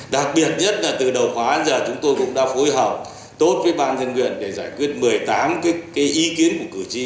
đặc biệt nhất là từ đầu khóa đến giờ chúng tôi cũng đã phối hợp tốt với ban thân nguyện để giải quyết một mươi tám ý kiến của cử tri